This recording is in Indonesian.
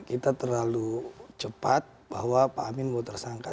kita terlalu cepat bahwa pak amin mau tersangka